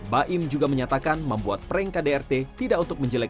baim juga menyatakan membuat prank kdrt tidak untuk menjelekkan